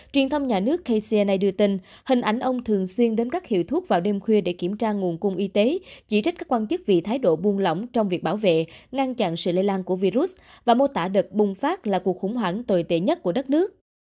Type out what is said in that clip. truyền thông nhà nước kcna đưa tin hình ảnh ông thường xuyên đếm rác hiệu thuốc vào đêm khuya để kiểm tra nguồn cung y tế chỉ trích các quan chức vì thái độ buông lỏng trong việc bảo vệ ngăn chặn sự lây lan của virus và mô tả đợt bùng phát là cuộc khủng hoảng tồi tệ nhất của đất nước